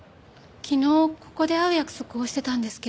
昨日ここで会う約束をしてたんですけど。